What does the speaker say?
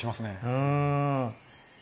うん。